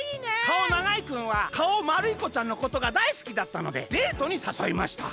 「かおながいくんはかおまるいこちゃんのことがだいすきだったのでデートにさそいました。